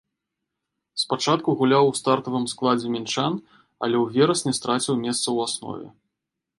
Спачатку гуляў у стартавым складзе мінчан, але ў верасні страціў месца ў аснове.